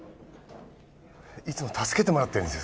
いつも助けてもらってるんですよ